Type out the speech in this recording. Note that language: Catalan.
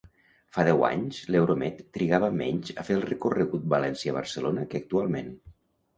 Fa deu anys, l'Euromed trigava menys a fer el recorregut València-Barcelona que actualment.